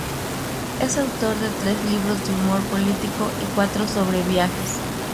Es autor de tres libros de humor político y cuatro sobre viajes.